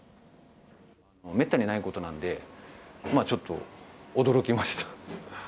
めったにないことなんで、ちょっと驚きました。